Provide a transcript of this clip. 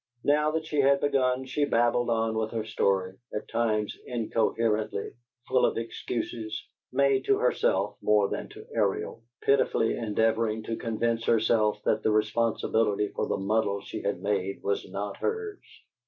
Now that she had begun, she babbled on with her story, at times incoherently; full of excuses, made to herself more than to Ariel, pitifully endeavoring to convince herself that the responsibility for the muddle she had made was not hers.